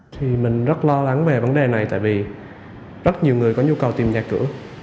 thì mình rất lo lắng về vấn đề này tại vì rất nhiều người có nhu cầu tìm nhà cửa